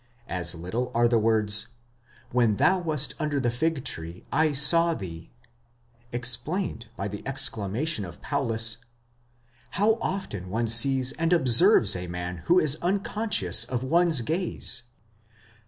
As little are the words, When thou wast under the fig tree, [ saw thee, explained by the exclamation of Paulus, " How often one sees and observes a man who is unconscious of one's gaze!"